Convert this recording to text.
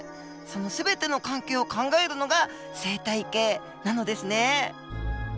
その全ての環境を考えるのが生態系なのですね。